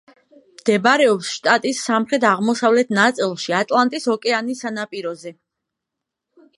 მდებარეობს შტატის სამხრეთ-აღმოსავლეთ ნაწილში, ატლანტის ოკეანის სანაპიროზე.